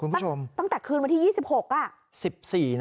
บางทีคืนเป็นที่๒๖สังหรับจริง